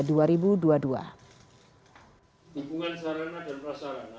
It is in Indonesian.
hubungan sarana dan prasarana